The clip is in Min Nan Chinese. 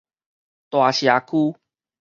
大社區